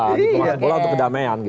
diplomasi bola untuk kedamaian